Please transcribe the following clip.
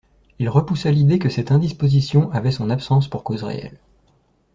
Il repoussa l'idée que cette indisposition avait son absence pour cause réelle.